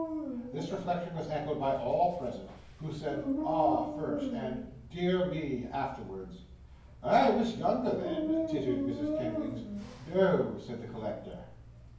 This reflection was echoed by all present, who said 'Ah!' first, and 'dear me,' afterwards. 'I was younger then,' tittered Mrs. Kenwigs. 'No,' said the collector.